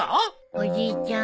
おじいちゃん